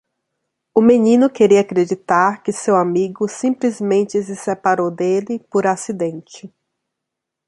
O menino queria acreditar que seu amigo simplesmente se separou dele por acidente.